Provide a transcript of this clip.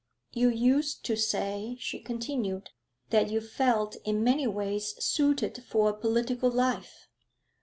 'You used to say,' she continued, 'that you felt in many ways suited for a political life.'